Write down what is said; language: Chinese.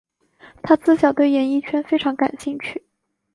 她自小对演艺圈非常感兴趣。